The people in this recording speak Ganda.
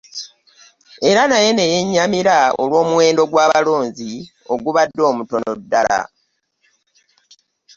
Era naye ne yennyamira olw'omuwendo gw'abalonzi ogubadde omutono ddala.